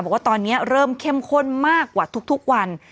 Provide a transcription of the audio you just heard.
บอกว่าตอนนี้เริ่มเข้มข้นมากกว่าทุกวัน